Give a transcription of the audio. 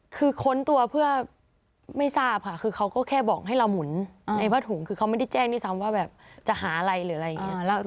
คือค้นตัวเพื่อไม่ทราบค่ะคือเขาก็แค่บอกให้เราหมุนในผ้าถุงคือเขาไม่ได้แจ้งด้วยซ้ำว่าแบบจะหาอะไรหรืออะไรอย่างนี้